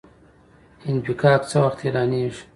انفکاک څه وخت اعلانیږي؟